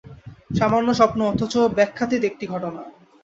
সামান্য স্বপ্ন, অথচ ব্যাখ্যাতীত একটা ঘটনা।